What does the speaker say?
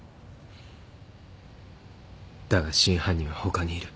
だが真犯人は他にいる。